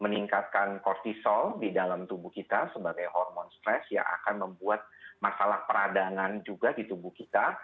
meningkatkan kortisol di dalam tubuh kita sebagai hormon stres yang akan membuat masalah peradangan juga di tubuh kita